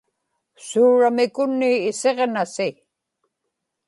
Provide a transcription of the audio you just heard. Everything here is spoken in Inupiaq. suuramik unnii isiġnasi